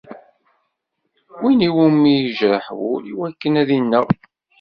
Win iwumi i yejreḥ wul, iwakken ad ineɣ.